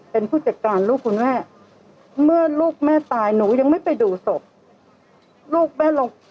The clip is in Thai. เป็นผู้จัดการลูกคุณแม่เมื่อลูกแม่ตายหนูยังไม่ไปดูศพลูกแม่ลง